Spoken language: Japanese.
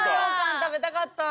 食べたかった。